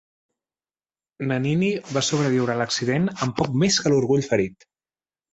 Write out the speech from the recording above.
Nannini va sobreviure a l'accident amb poc més que l'orgull ferit.